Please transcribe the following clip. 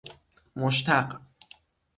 مشتق